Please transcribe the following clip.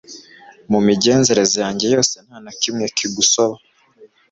mu migenzereze yanjye yose nta na kimwe kigusoba